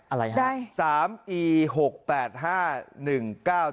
อะไรครับ